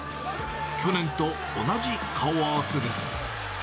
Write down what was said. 去年と同じ顔合わせです。